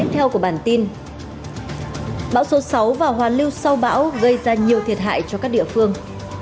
trong bản tin tiếp theo bão số sáu và hoàn lưu sau bão gây ra nhiều thiệt hại cho các địa phương